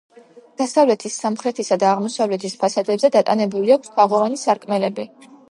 დასავლეთის სამხრეთისა და აღმოსავლეთის ფასადებზე დატანებული აქვს თაღოვანი სარკმლები.